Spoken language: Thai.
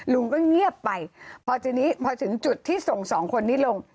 ลุงก็เงียบไปพอทีนี้พอถึงจุดที่ส่งสองคนนี้ลง